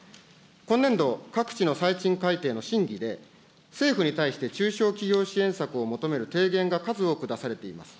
今年度、各地の最賃改定の審議で、政府に対して、中小企業支援策を求める提言が数多く出されています。